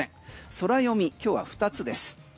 ソラヨミ、今日は２つです。